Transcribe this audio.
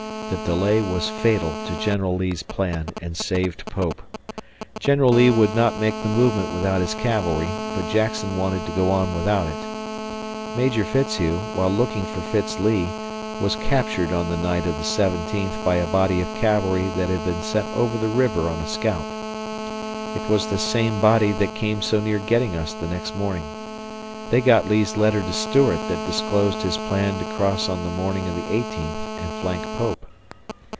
The delay was fatal to General Lee's plan and saved Pope. General Lee would not make the movement without his cavalry, but Jackson wanted to go on without it. Major Fitzhugh, while looking for Fitz Lee, was captured on the night of the seventeenth by a body of cavalry that had been sent over the river on a scout. It was the same body that came so near getting us the next morning. They got Lee's letter to Stuart that disclosed his plan to cross on the morning of the eighteenth and flank Pope.